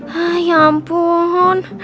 hai ya ampun